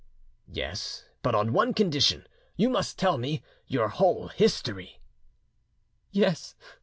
"Yes, but on one condition you must tell me your whole history." "Yes